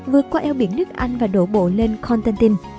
vượt qua eo biển nước anh và đổ bộ lên contentin